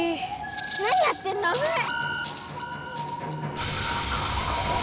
何やってんの⁉あぶない！